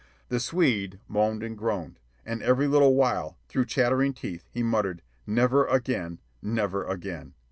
The Swede moaned and groaned, and every little while, through chattering teeth, he muttered, "Never again; never again."